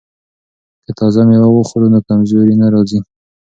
که تازه میوه وخورو نو کمزوري نه راځي.